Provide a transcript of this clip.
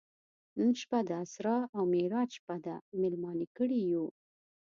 نن شپه د اسرا او معراج شپه ده میلمانه کړي یو.